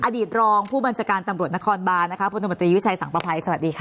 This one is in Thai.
อดีตรองผู้บัญชาการตำรวจนครบานนะคะพลตมตรีวิชัยสังประภัยสวัสดีค่ะ